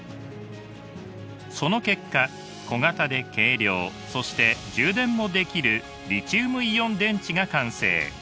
その結果小型で軽量そして充電もできるリチウムイオン電池が完成。